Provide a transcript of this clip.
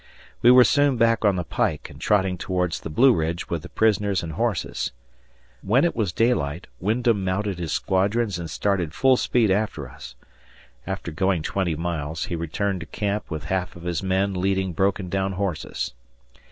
We were soon back on the pike and trotting towards the Blue Ridge with the prisoners and horses. When it was daylight, Wyndham mounted his squadrons and started full speed after us. After going twenty miles, he returned to camp with half of his men leading broken down horses.